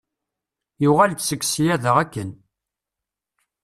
Yuɣal-d seg ssyada akken.